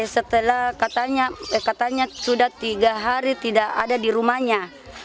setelah katanya sudah tiga hari tidak ada di rumahnya